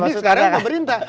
ini sekarang pemerintah